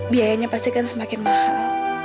biayanya pasti kan semakin mahal